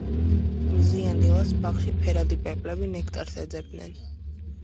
მზიან დილას ბაღში ფერადი პეპლები ნექტარს ეძებდნენ.